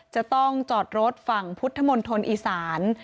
จะต้องจอดรถฝั่งพุทธมณฑลอีสาน